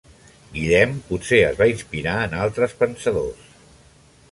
Guillem potser es va inspirar en altres pensadors.